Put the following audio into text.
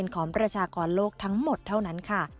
ประชากรโลกทั้งหมดเท่านั้นค่ะ